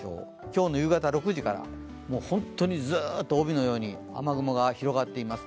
今日の夕方６時から、本当にずっと帯のように雨雲が広がっています。